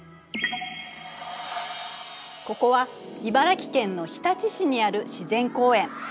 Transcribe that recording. ここは茨城県の日立市にある自然公園。